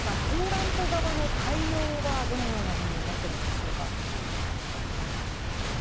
ポーランド側の対応はどのようなものになっているんでしょうか。